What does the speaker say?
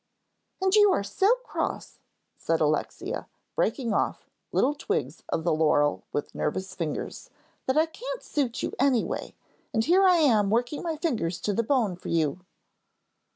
"And you are so cross," said Alexia, breaking off little twigs of the laurel with nervous fingers, "that I can't suit you any way, and here I am working my fingers to the bone for you."